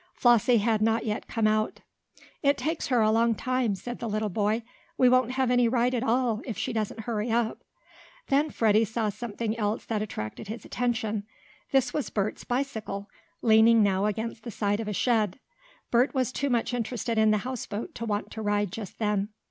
Flossie had not yet come out. "It takes her a long time," said the little boy. "We won't have any ride at all, if she doesn't hurry up." Then Freddie saw something else that attracted his attention. This was Bert's bicycle, leaning now against the side of a shed. Bert was too much interested in the houseboat to want to ride just then.